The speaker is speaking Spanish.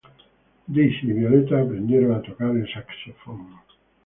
Daisy y Violeta aprendieron a tocar el saxofón.